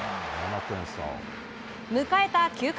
迎えた９回。